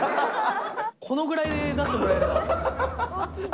このぐらいで出してもらえれば。